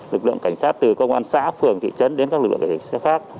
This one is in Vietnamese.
lực lượng cảnh sát từ công an xã phường thị trấn đến các lực lượng cảnh sát khác